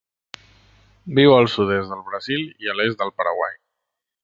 Viu al sud-est del Brasil i l'est del Paraguai.